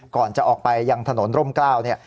ก่อนจะออกไปยังถนนร่มกล้าวเนี่ย